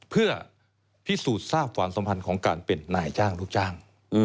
เพื่อพิสูจน์ทราบความสัมพันธ์ของการเป็นนายจ้างลูกจ้าง